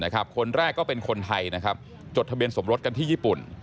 คนแรกก็เป็นคนไทยจดทะเบียนสมรสกันที่ญี่ปุ่น